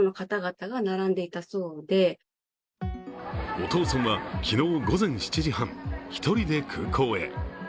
お父さんは、昨日午前７時半１人で空港へ。